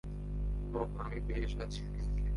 ওহ, আমি বেশ আছি, পিগ।